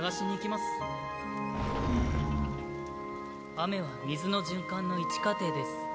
雨は水の循環の一過程です。